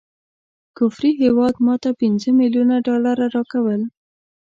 کفري هیواد ماته پنځه ملیونه ډالره راکول.